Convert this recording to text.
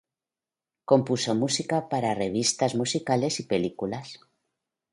Compuso música para revistas musicales y películas.